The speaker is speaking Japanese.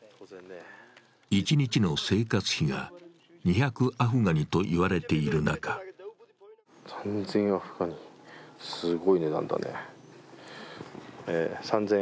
一日の生活費が２００アフガニといわれている中３０００